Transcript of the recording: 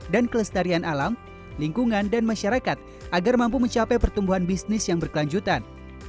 dan kelestarian alam lingkungan dan masyarakat agar mampu mencapai pertumbuhan bisnis yang berkelanjutan